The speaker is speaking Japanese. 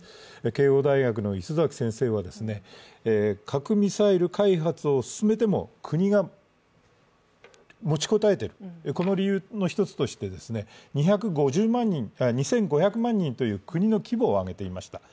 慶応大学の礒崎先生は核・ミサイル開発を進めても国が持ちこたえている、この理由の１つとして、２５００万人という国の規模を挙げていました。